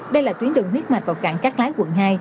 đây là tuyến đường huyết mạch vào cảng cắt lái quận hai